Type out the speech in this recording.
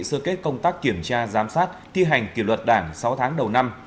sơ kết công tác kiểm tra giám sát thi hành kỷ luật đảng sáu tháng đầu năm